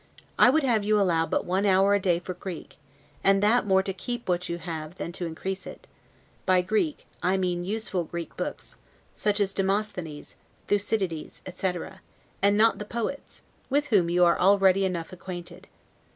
I would have you allow but one hour a day for Greek; and that more to keep what you have than to increase it: by Greek, I mean useful Greek books, such as Demosthenes, Thucydides, etc., and not the poets, with whom you are already enough acquainted.